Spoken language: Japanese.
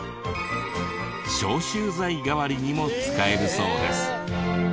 消臭剤代わりにも使えるそうです。